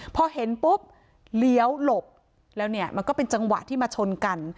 พอเห็นปุ๊บเลี้ยวหลบแล้วเนี่ยมันก็เป็นจังหวะที่มาชนกัน